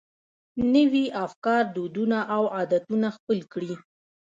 نوي افکار، دودونه او عادتونه خپل کړي.